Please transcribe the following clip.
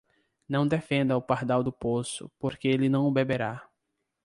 Não defenda o pardal do poço, porque ele não o beberá!